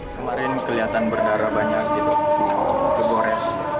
kemarin kelihatan berdarah banyak gitu kegores